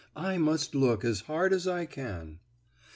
I must look as hard as I can."